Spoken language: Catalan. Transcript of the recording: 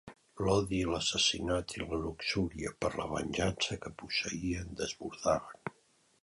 L'odi i l'assassinat i la luxúria per la venjança que posseïen desbordaven.